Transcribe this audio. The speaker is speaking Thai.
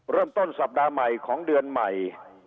เริ่มต้นสัปดาห์ใหม่ของเดือนใหม่